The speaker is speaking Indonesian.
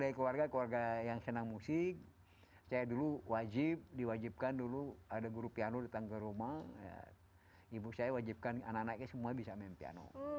dari keluarga keluarga yang senang musik saya dulu wajib diwajibkan dulu ada guru piano datang ke rumah ibu saya wajibkan anak anaknya semua bisa main piano